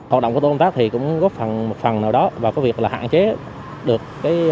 họ động của tội công tác thì cũng góp phần nào đó vào việc hạn chế được